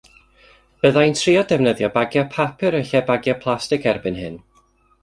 Bydda i'n trio defnyddio bagiau papur yn lle bagiau plastig erbyn hyn.